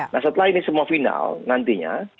nah setelah ini semua final nantinya